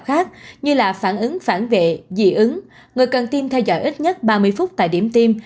các phản ứng khác như là phản ứng phản vệ dị ứng người cần tiêm theo dõi ít nhất ba mươi phút tại điểm tiêm